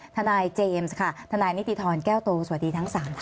ทนายเจมส์ค่ะทนายนิติธรแก้วโตสวัสดีทั้ง๓ท่าน